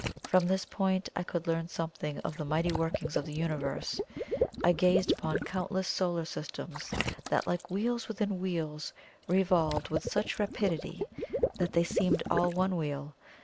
From this point I could learn something of the mighty workings of the Universe. I gazed upon countless solar systems, that like wheels within wheels revolved with such rapidity that they seemed all one wheel.